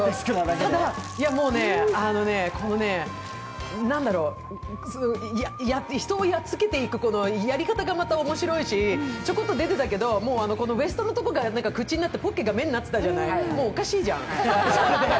ただ、この人をやっつけていくやり方がまた面白いし、ちょこっと出てたけどウエストのところが口になってぽっけが目になってたじゃん、もうおかしいじゃん。